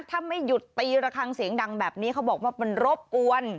ถ้าไม่หยุดตีระคังเสียงดังแบบนี้เขาบอกว่ามันรบกวน